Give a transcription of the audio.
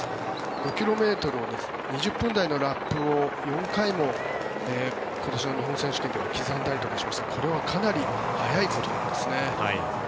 ５ｋｍを２０分台のラップを４回も今年の日本選手権では刻んだりしていましたからこれはかなり速いです。